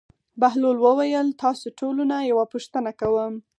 بهلول وویل: تاسو ټولو نه یوه پوښتنه کوم.